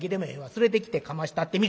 連れてきてかましたってみ。